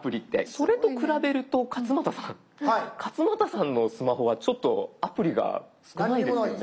それと比べると勝俣さん勝俣さんのスマホはちょっとアプリが少ないですよね？